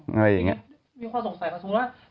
อะไรอย่างนี้